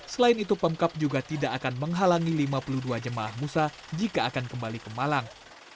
selain itu pemkap juga tidak akan menghalangi lima puluh dua jemaah musa jika akan kembali ke malang